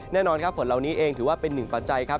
แน่นอนครับฝนเหล่านี้เองถือว่าเป็นหนึ่งปัจจัยครับ